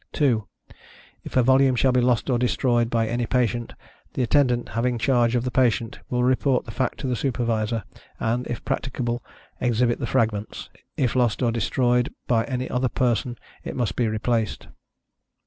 2. If a volume shall be lost or destroyed, by any patient, the Attendant, having charge of the patient, will report the fact to the Supervisor, and, if practicable, exhibit the fragments. If lost or destroyed, by any other person, it must be replaced.